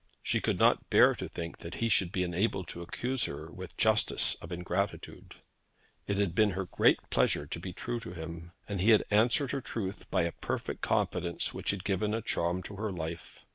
She could not bear to think that he should be enabled to accuse her with justice of ingratitude. It had been her great pleasure to be true to him, and he had answered her truth by a perfect confidence which had given a charm to her life.